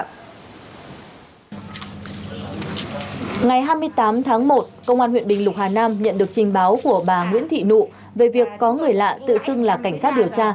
ngày hai mươi tám tháng một công an huyện bình lục hà nam nhận được trình báo của bà nguyễn thị nụ về việc có người lạ tự xưng là cảnh sát điều tra